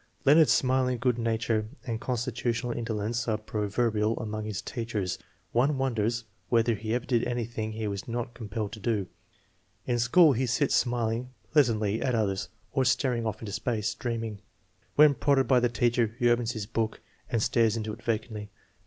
Leonard's smiling good nature and constitutional indolence are proverbial among his teachers. One wonders whether he ever did anything he was not compelled to do. In school he sits smiling pleas antly at others or staring off into space, dreaming. When prodded by the teacher he opens his book and stares into it vacantly.